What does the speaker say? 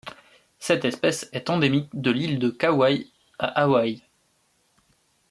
Cette espèce est endémique de l'île de Kauai à Hawaï.